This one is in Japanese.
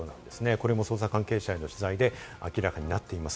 これも捜査関係者の取材で明らかになっています。